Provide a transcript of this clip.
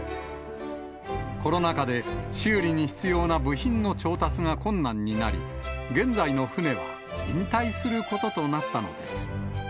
コロナ禍で修理に必要な部品の調達が困難になり、現在の船は引退することとなったのです。